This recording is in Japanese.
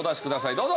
どうぞ！